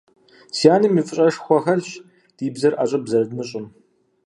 Си анэм и фӀыщӀэшхуэ хэлъщ ди бзэр ӀэщӀыб зэрыдмыщӀым.